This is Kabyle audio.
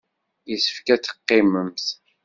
Yessefk ad teqqimemt.